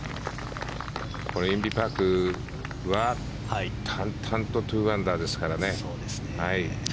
インビ・パクは淡々と２アンダーですからね。